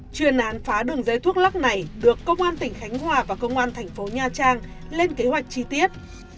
chuyên án phá đường dây thuốc lắc này được công an tỉnh khánh hòa và công an thành phố nha trang lên kế hoạch chi tiết